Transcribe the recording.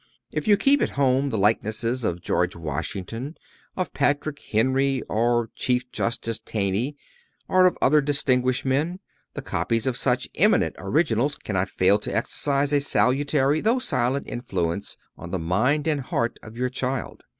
If you keep at home the likenesses of George Washington, of Patrick Henry, of Chief Justice Taney, or of other distinguished men, the copies of such eminent originals cannot fail to exercise a salutary though silent influence on the mind and heart of your child.